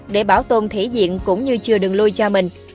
để bảo tồn thỉ diện cũng như chừa đường lôi cho mình